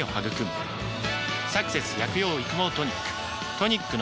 「サクセス薬用育毛トニック」